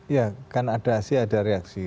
ya kan ada aksi ada reaksi